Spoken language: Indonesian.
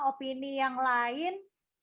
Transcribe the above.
opini yang lain